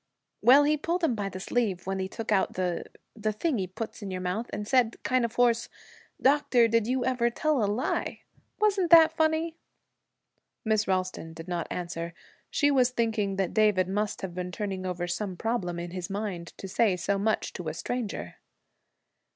'Well, he pulled him by the sleeve when he took out the the thing he puts in your mouth, and said kind of hoarse, "Doctor, did you ever tell a lie?" Wasn't that funny?' Miss Ralston did not answer. She was thinking that David must have been turning over some problem in his mind, to say so much to a stranger.